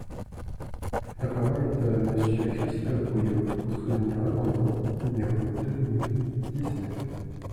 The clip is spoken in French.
La parole est à Monsieur Christophe Bouillon, pour soutenir l’amendement numéro deux mille dix-neuf.